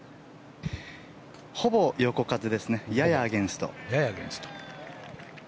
ほぼ横風ですねややアゲンスト。